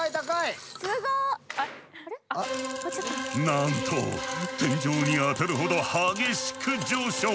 なんと天井に当たるほど激しく上昇！